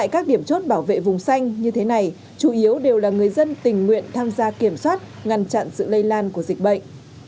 các điểm chốt bảo vệ vùng xanh như thế này chủ yếu đều là người dân tình nguyện tham gia kiểm soát ngăn chặn sự lây lan của dịch bệnh